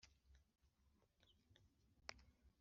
Iyo bari mu mirimo ya Komisiyo Abakomiseri